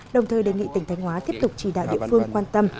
đồng thời đề nghị tỉnh thanh hóa tiếp tục chỉ đạo địa phương quan tâm